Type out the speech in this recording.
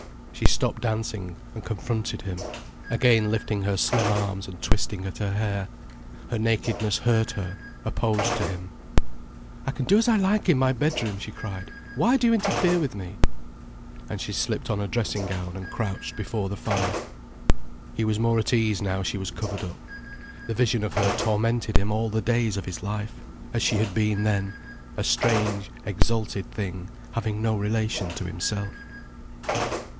She stopped dancing, and confronted him, again lifting her slim arms and twisting at her hair. Her nakedness hurt her, opposed to him. "I can do as I like in my bedroom," she cried. "Why do you interfere with me?" And she slipped on a dressing gown and crouched before the fire. He was more at ease now she was covered up. The vision of her tormented him all the days of his life, as she had been then, a strange, exalted thing having no relation to himself.